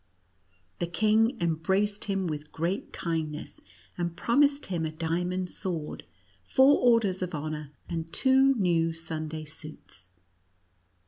The king embraced him with great kindness, and promised him a diamond sword, four orders of honor, and two new Sunday suits.